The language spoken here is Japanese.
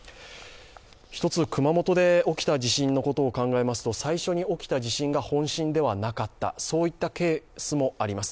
１つ熊本で起きた地震のことを考えますと最初に起きた地震が本震ではなかった、そういったケースもあります。